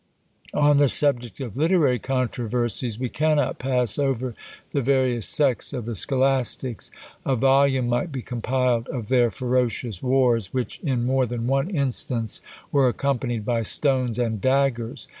On the subject of literary controversies, we cannot pass over the various sects of the scholastics: a volume might be compiled of their ferocious wars, which in more than one instance were accompanied by stones and daggers.